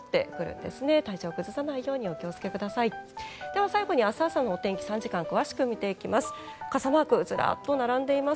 では、最後に明日朝のお天気３時間詳しく見ていきます。